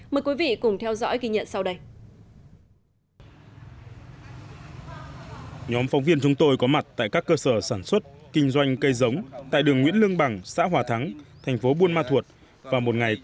mời quý vị cùng theo dõi ghi nhận sau đây